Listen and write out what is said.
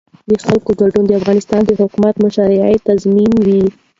د خلکو ګډون د افغانستان د حکومت مشروعیت تضمینوي